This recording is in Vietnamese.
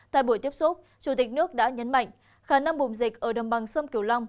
tại buổi tiếp xúc chủ tịch nước đã nhấn mạnh khả năng bùng dịch ở đồng bằng sông kiều long